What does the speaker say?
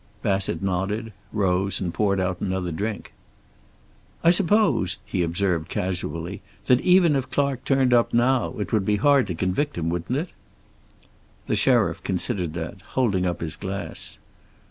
Bassett nodded, rose and poured out another drink. "I suppose," he observed casually, "that even if Clark turned up now, it would be hard to convict him, wouldn't it?" The sheriff considered that, holding up his glass.